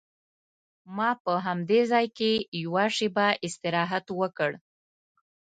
ما په همدې ځای کې یوه شېبه استراحت وکړ.